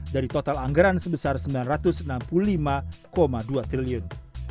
dari total anggaran sebesar rp sembilan ratus enam puluh lima dua triliun